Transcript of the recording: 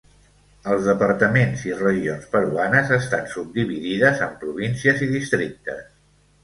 Els Departaments i regions peruanes estan subdividides en províncies i districtes.